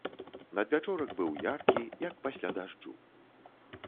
Надвячорак быў яркі, як пасля дажджу.